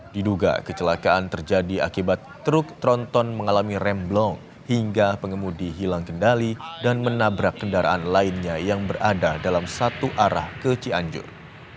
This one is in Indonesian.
diduga kecelakaan terjadi akibat truk tronton mengalami remblong hingga pengemudi hilang kendali dan menabrak kendaraan lainnya yang berada dalam satu arah ke cianjur